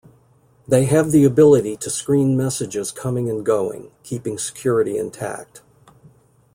They have the ability to screen messages coming and going keeping security intact.